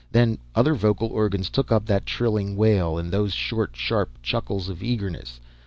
Then other vocal organs took up that trilling wail, and those short, sharp chuckles of eagerness.